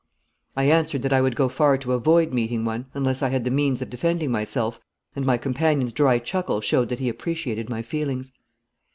I answered that I would go far to avoid meeting one, unless I had the means of defending myself, and my companion's dry chuckle showed that he appreciated my feelings.